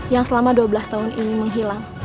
yang selama dua belas tahun ini menghilang